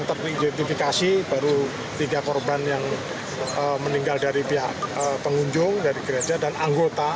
teridentifikasi baru tiga korban yang meninggal dari pihak pengunjung dari gereja dan anggota